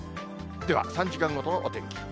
では３時間ごとのお天気。